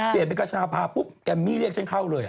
เปลี่ยนเป็นกระชาพาปุ๊บแกมมี่เรียกฉันเข้าเลย